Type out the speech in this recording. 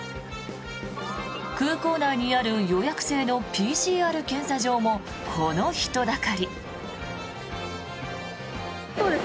空港内にある予約制のＰＣＲ検査場もこの人だかり。